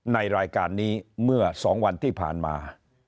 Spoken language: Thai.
ในรายการนี้เมื่อ๒วันที่ผ่านมา